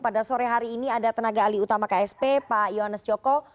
pada sore hari ini ada tenaga alih utama ksp pak yohanes joko